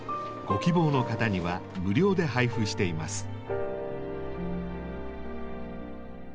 ご希望の方には無料で配布しています。